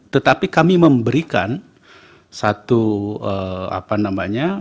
tetapi kami memberikan satu apa namanya